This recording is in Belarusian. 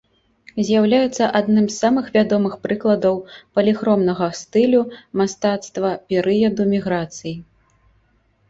З'яўляецца адным самых вядомых прыкладаў паліхромнага стылю мастацтва перыяду міграцый.